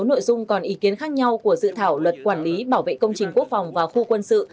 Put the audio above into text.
sáu nội dung còn ý kiến khác nhau của dự thảo luật quản lý bảo vệ công trình quốc phòng và khu quân sự